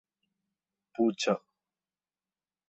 പൂച്ച